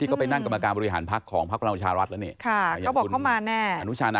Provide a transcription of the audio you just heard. ที่ก็ไปนั่งกรรมการบริหารพลังประชารัฐแล้วเนี่ย